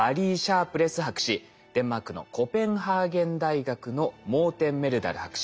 デンマークのコペンハーゲン大学のモーテン・メルダル博士。